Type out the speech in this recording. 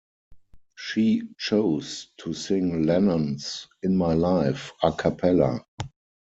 She chose to sing Lennon's "In My Life" a cappella.